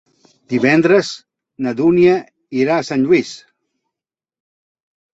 Divendres na Dúnia irà a Sant Lluís.